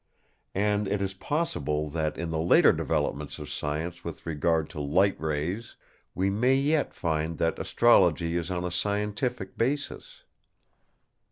And it is possible that in the later developments of science with regard to light rays, we may yet find that Astrology is on a scientific basis.